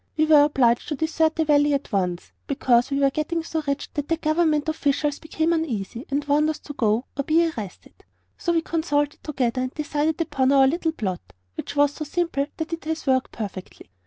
We were obliged to desert the valley at once, because we were getting so rich that the government officials became uneasy and warned us to go or be arrested. So we consulted together and decided upon our little plot, which was so simple that it has worked perfectly.